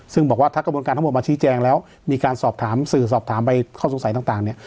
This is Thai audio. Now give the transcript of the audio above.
ซึ่งบอกว่าถ้ากระบวนการทั้งหมดมาชี้แจงแล้วมีการสอบถามสื่อสอบถามไปข้อสงสัยต่างเนี่ย